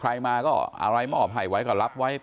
ใครมาก็อะไรมอบให้ไว้ก็รับไว้